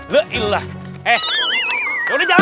lho ya allah eh udah jalan susah bodoh ah stop